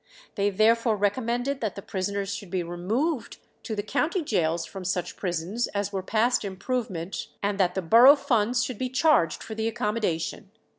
They therefore recommended that the prisoners should be removed to the county gaols from such prisons as were past improvement, and that the borough funds should be charged for the accommodation.